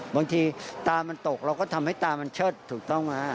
บางทีตามันตกเราก็ทำให้ตามันเชิดถูกต้องไหมฮะ